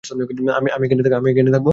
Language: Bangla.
আমি এখানে থাকব।